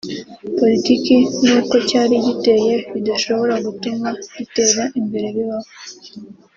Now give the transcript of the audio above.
politiki n’uko cyari giteye bidashobora gutuma gitera imbere bibaho